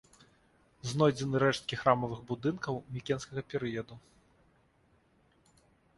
Знойдзены рэшткі храмавых будынкаў мікенскага перыяду.